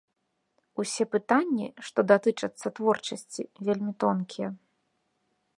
Усе пытанні, што датычацца творчасці, вельмі тонкія.